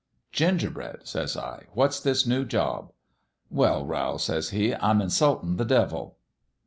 "' Gingerbread,' says I, 'what's this new job?' '"Well, Rowl,' says he, 'I'm insultin' the devil.'